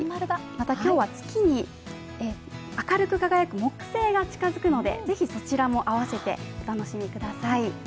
また今日は月に明るく輝く木星が近づくのでぜひそちらも併せてお楽しみください。